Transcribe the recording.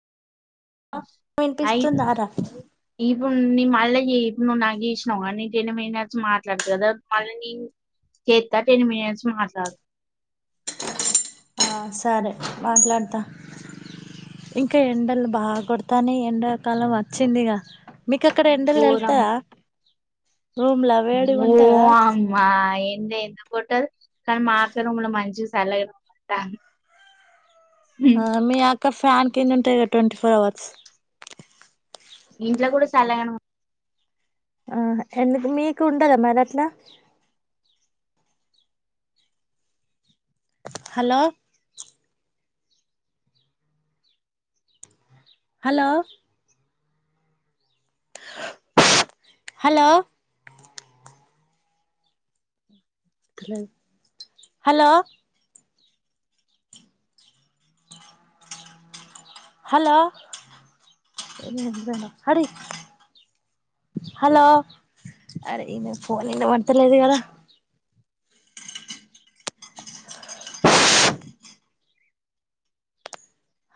ఆయిత్ వినిపిస్తుందారా ఇప్పు నిమ్ అళ్ళగ ఇప్పును నాగి చూసావా నీకు ఏమీ నేనే వచ్చి మాట్లాడితే కదా మళ్ళీని చేత్త టెన్ మనిట్స్ మాట్లాత ఆ సరే మాట్లాడతా ఇంకా ఎండలు బాగా కొడతనై ఎండాకాలం వచ్చిందిగా మీకు అక్కడ ఎండలు తల్లతర ఘోరంగా రూమ్లా వేడిగా ఉంటందా లేదు కొట్టదు కానీ మా అక్క రూమ్ లో మంచిగా సల్లగుంట ఆ మీ అక్క ఫ్యాన్ కింద ఉంటది కదా ట్వంటీ ఫోర్ అవర్స్ ఇంట్లో కూడా సలగానే ఆ ఎందుకు మీకు ఉండదా మరాట్లా హలో హలో హలో ఉమ్ హలో హలో పేరు మర్చిపోయిండా హరి హలో అరే ఈనకి ఫోన్ విన్న పడతలేదు కదా